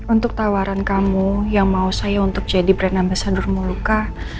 untuk tawaran kamu yang mau saya untuk jadi brenna besadur moluka